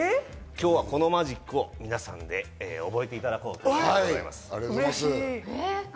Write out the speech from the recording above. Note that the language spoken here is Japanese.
今日はこのマジックを皆さんで覚えていただこうと思います。